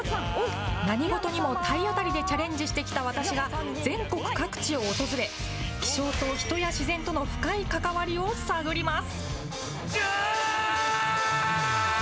何事にも体当たりでチャレンジしてきた私が、全国各地を訪れ、気象と人や自然との深い関わりを探ります。